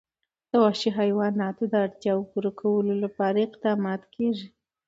د وحشي حیواناتو د اړتیاوو پوره کولو لپاره اقدامات کېږي.